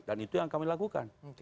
dan itu yang kami lakukan